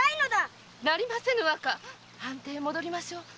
藩邸へ戻りましょう。